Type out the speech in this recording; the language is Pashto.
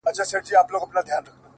اې د هند بُتپرستو سترگورې _